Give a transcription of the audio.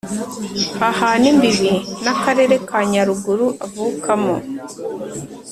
hahana imbibi n’akarere ka Nyaruguru avukamo